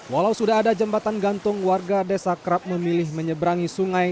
walau sudah ada jembatan gantung warga desa kerap memilih menyeberangi sungai